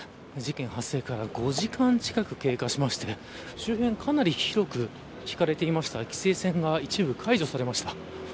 事件発生から５時間近く経過しましてかなり広く敷かれていた規制線が一部、解除されました。